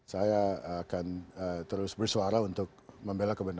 saya akan terus bersuara untuk membela kebenaran